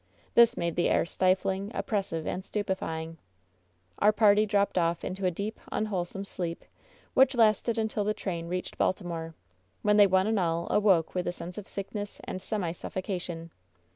This made the air stifling, oppressive and stupefying. Our party dropped off into a deep, tm wholesome sleep, which lasted until the train reached Baltimore, when they one and all awoke with a sense of sickness and semi suffocation.